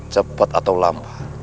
cepat atau lambat